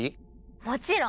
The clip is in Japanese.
もちろん！